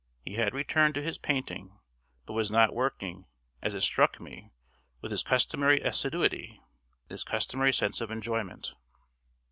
He had returned to his painting, but was not working, as it struck me, with his customary assiduity and his customary sense of enjoyment.